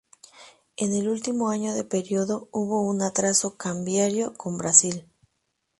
En el último año de período hubo un atraso cambiario con Brasil.